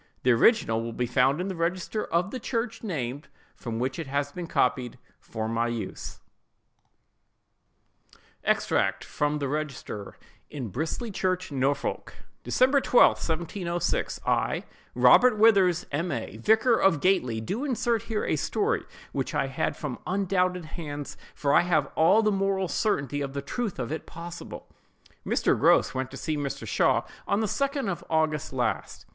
The original will be found in the register of the church named, from which it has been copied for my use:— EXTRACT FROM THE REGISTER IN BRISLEY CHURCH, NORFOLK. "DECEMBER 12, 1706.—I, Robert Withers, M. A., vicar of Gately, do insert here a story which I had from undoubted hands; for I have all the moral certainty of the truth of it possible:— "Mr. Grose went to see Mr. Shaw on the 2d of August last.